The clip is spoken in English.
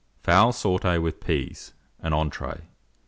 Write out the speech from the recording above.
FOWL SAUTE WITH PEAS (an Entree).